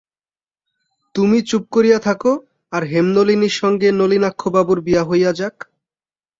তুমি চুপ করিয়া থাকো, আর হেমনলিনীর সঙ্গে নলিনাক্ষবাবুর বিবাহ হইয়া যাক।